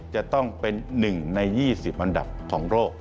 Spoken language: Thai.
จะต้องเป็น๑ใน๒๐อันดับของโลก